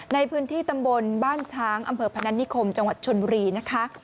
ในพื้นที่ตำบลบ้านช้างอำเภอพนันนิคมจังหวัดชนบุรีนะคะ